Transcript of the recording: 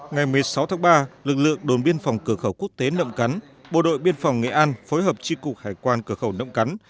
ngày một mươi sáu tháng ba lực lượng đồn biên phòng cửa khẩu quốc tế nậm cắn bộ đội biên phòng nghệ an phối hợp tri cục hải quan cửa khẩu nậm cắn